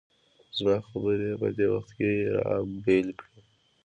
زما خبره یې په دې وخت کې را بېل کړه.